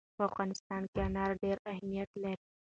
په افغانستان کې انار ډېر اهمیت لري.